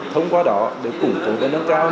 thông qua đó để củng cố và nâng cao